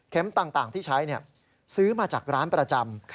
ต่างที่ใช้ซื้อมาจากร้านประจำ